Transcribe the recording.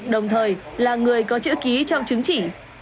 đồng thời là người có chữ ký trong chứng chỉ